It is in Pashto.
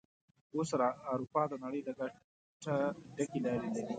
اوس اروپا د نړۍ د ګټه ډکې لارې لري.